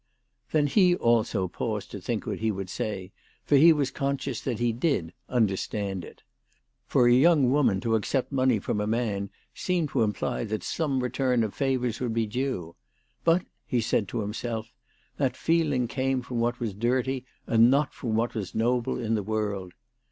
Then he also paused to think what he would say, for he was conscious that he did " understand it." For a young woman to accept money from a man seemed to imply that some return of favours would be due. But, he said to himself, that feeling came from what was dirty and not from what was noble in the world.